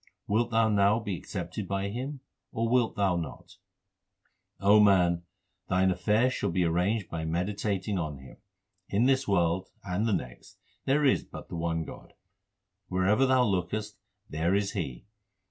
Wilt thou now be accepted by Him, or wilt thou not ? O man, thine affairs shall be arranged by meditating on Him. In this world and the next there is but the one God ; Wherever thou lookest, there is He.